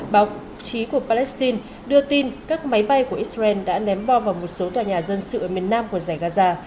báo chí của palestine đưa tin các máy bay của israel đã ném bom vào một số tòa nhà dân sự ở miền nam của giải gaza